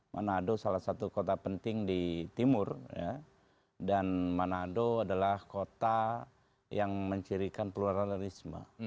manado salah satu kota penting di timur dan manado adalah kota yang mencirikan pluralisme